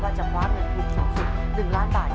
ว่าจะความเหนือถูกสูงสุด๑ล้านบาท